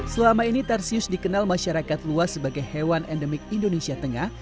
selama ini tarsius dikenal masyarakat luas sebagai hewan endemik indonesia tengah